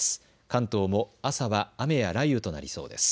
関東も朝は雨や雷雨となりそうです。